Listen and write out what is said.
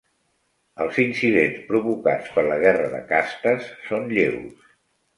Els incidents provocats per la guerra de castes són lleus